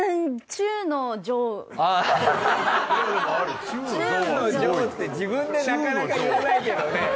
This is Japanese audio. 中の上って自分でなかなか言わないけどね。